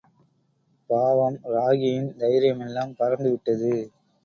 பாவம், ராகியின் தைரியமெல்லாம் பறந்துவிட்டது.